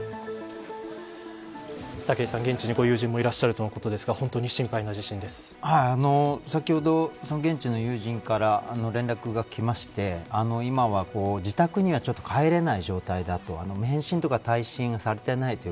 武井さん、現地にご友人もいらっしゃるとのことですが先ほど、現地の友人から連絡が来まして今は自宅にはちょっと帰れない状態だと。